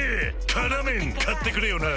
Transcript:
「辛麺」買ってくれよな！